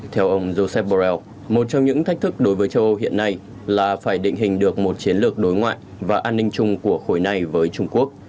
theo ông josep borrell một trong những thách thức đối với châu âu hiện nay là phải định hình được một chiến lược đối ngoại và an ninh chung của khối này với trung quốc